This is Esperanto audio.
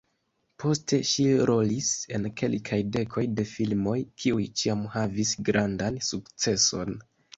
Poste ŝi rolis en kelkaj dekoj de filmoj, kiuj ĉiam havis grandan sukceson.